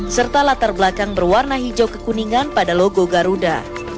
serta latar belakang berwarna hijau kekuningan pada logo garuda